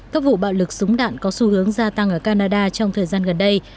các vụ bạo lực súng đạn có xu hướng gia tăng ở canada trong thời gian gần đây